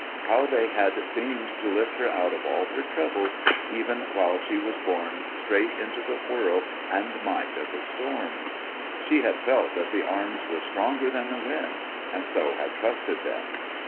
How they had seemed to lift her out of all her troubles, even while she was borne straight into the whirl and might of the storm! She had felt that the arms were stronger than the wind, and so had trusted them.